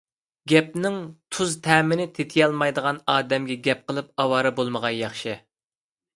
گەپنىڭ تۇز تەمىنى تېتىيالمايدىغان ئادەمگە گەپ قىلىپ ئاۋارە بولمىغان ياخشى.